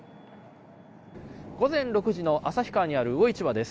午前６時の旭川にある魚市場です。